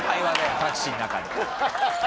タクシーの中で。